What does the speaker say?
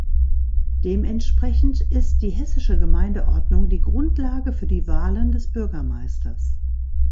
Dementsprechend ist die hessische Gemeindeordnung die Grundlage für die Wahlen des Bürgermeisters.